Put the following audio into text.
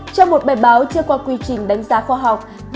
trong một bài báo chưa qua quy trình đánh giá khoa học